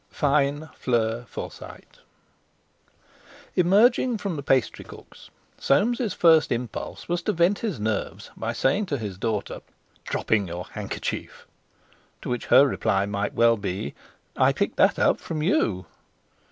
—FINE FLEUR FORSYTE Emerging from the "pastry cook's," Soames' first impulse was to vent his nerves by saying to his daughter: 'Dropping your hand kerchief!' to which her reply might well be: 'I picked that up from you!'